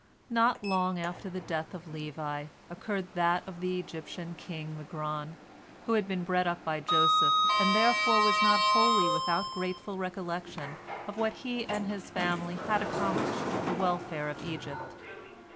Not long after the death of Levi occurred that of the Egyptian king Magron, who had been bred up by Joseph, and therefore was not wholly without grateful recollection of what he and his family had accomplished for the welfare of Egypt.